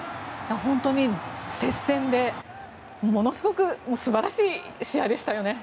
本当に接戦でものすごく素晴らしい試合でしたよね。